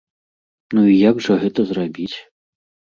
Ну і як жа гэта зрабіць?